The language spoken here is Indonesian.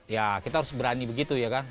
ya kita harus berani begitu ya kan